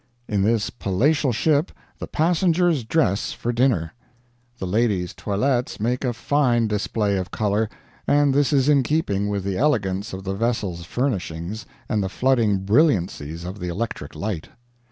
In this palatial ship the passengers dress for dinner. The ladies' toilettes make a fine display of color, and this is in keeping with the elegance of the vessel's furnishings and the flooding brilliancies of the electric light.